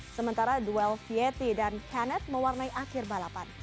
sementara duel vietti dan kennet mewarnai akhir balapan